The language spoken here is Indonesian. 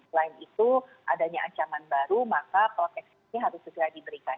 selain itu adanya ancaman baru maka proteksi ini harus segera diberikan